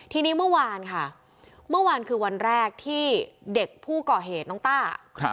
ทีนี้เมื่อวานค่ะเมื่อวานคือวันแรกที่เด็กผู้ก่อเหตุน้องต้า